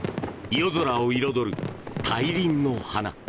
夜空を彩る大輪の花。